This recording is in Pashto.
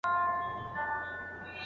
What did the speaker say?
استاد د شاګرد پر ځای مقاله نه لیکي.